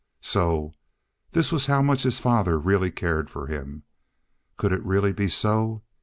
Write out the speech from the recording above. So this was how much his father really cared for him! Could it really be so?